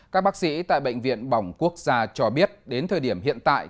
các bác sĩ tại bệnh viện bỏng quốc gia cho biết đến thời điểm hiện tại